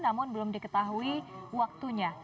namun belum diketahui waktunya